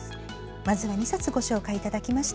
まずは２冊ご紹介いただきました。